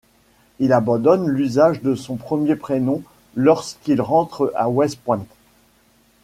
Il abandonne l'usage de son premier prénom lorsqu'il rentre à West Point.